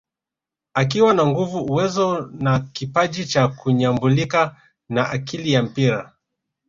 Akiwa na nguvu uwezo na kipaji cha kunyumbulika na akili ya mpira